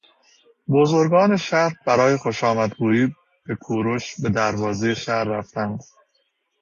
بزرگان شهر برای خوشآمد گویی به کوروش به دروازهی شهر رفتند.